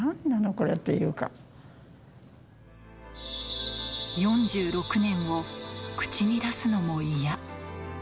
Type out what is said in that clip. これってい４６年を口に出すのも嫌。